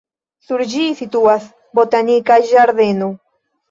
Sur ĝi situas botanika ĝardeno.